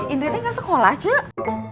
indri gak sekolah cuk